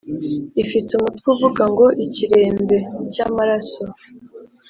ifite umutwe uvuga ngo ikiremve [cy’amaraso],”